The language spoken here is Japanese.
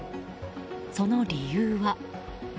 その理由は。